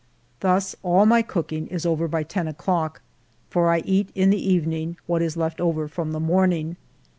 Thus all my cooking is over by ten o'clock, for I eat in the evening what is left over from the morning.